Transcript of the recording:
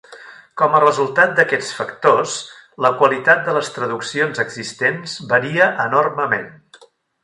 Com a resultat d'aquests factors, la qualitat de les traduccions existents varia enormement.